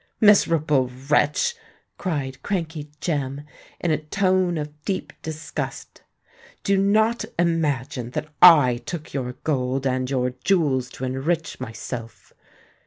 "Miserable wretch!" cried Crankey Jem, in a tone of deep disgust: "do not imagine that I took your gold and your jewels to enrich myself.